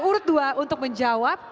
urut dua untuk menjawab